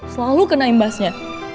selalu kena imbasnya